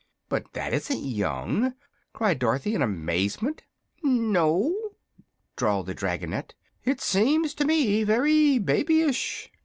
"But that isn't young!" cried Dorothy, in amazement. "No?" drawled the dragonette; "it seems to me very babyish."